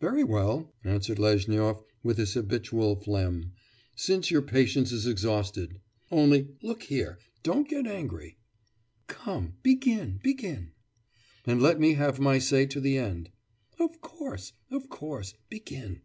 'Very well,' answered Lezhnyov with his habitual phlegm, 'since your patience is exhausted; only look here, don't get angry.' 'Come, begin, begin.' 'And let me have my say to the end.' 'Of course, of course; begin.